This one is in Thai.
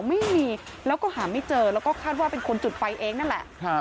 ไม่มีแล้วก็หาไม่เจอแล้วก็คาดว่าเป็นคนจุดไฟเองนั่นแหละ